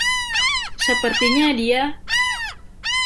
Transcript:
Sepertinya dia.